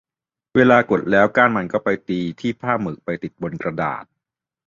เวลากดแล้วก้านมันก็ไปตีที่ผ้าหมึก ไปติดบนกระดาษ